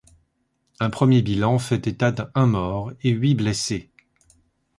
Un premier bilan fait état de un mort et huit blessés.